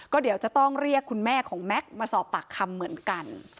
ก็เดี๋ยวจะต้องเรียกคุณแม่ของแม็กซ์มาสอบปากคำเหมือนกัน